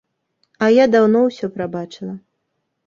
А я даўно ўсё прабачыла.